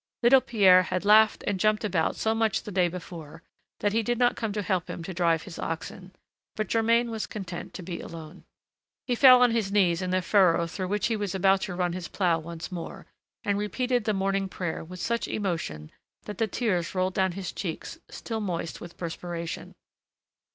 Little Pierre had laughed and jumped about so much the day before, that he did not come to help him to drive his oxen; but Germain was content to be alone. He fell on his knees in the furrow through which he was about to run his plough once more, and repeated the morning prayer with such emotion that the tears rolled down his cheeks, still moist with perspiration.